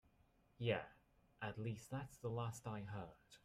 Yeah, at least that's the last I heard.